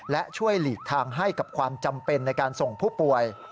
และช่วยหลีกทางให้กับความจำเป็นในการส่งผู้ป่วย